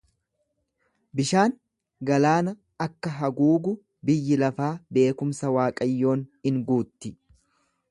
Bishaan galaana akka haguugu biyyi lafaa beekumsa Waaqayyoon in guutti.